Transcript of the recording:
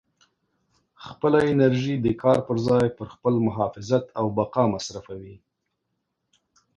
خپله انرژي د کار په ځای پر خپل محافظت او بقا مصروفوئ.